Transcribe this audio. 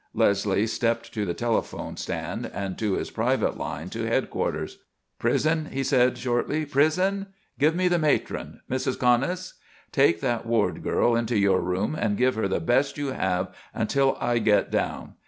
Leslie stepped to the telephone stand and to his private line to headquarters. "Prison," he said, shortly. "Prison? Give me the matron. Mrs. Conness? Take that Ward girl into your room and give her the best you have until I get down.